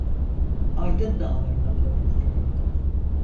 Aydın dağlarına doğru vuruyordu.